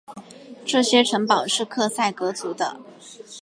这些城堡是克塞格族的。